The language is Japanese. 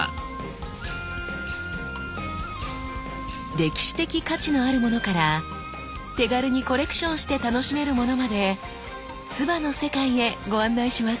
歴史的価値のあるものから手軽にコレクションして楽しめるものまで鐔の世界へご案内します。